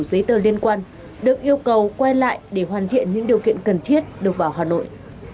giấy tờ liên quan được yêu cầu quay lại để hoàn thiện những điều kiện cần thiết được vào hà nội